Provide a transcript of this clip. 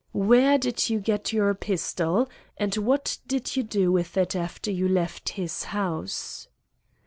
"Where did you get your pistol, and what did you do with it after you left his house?"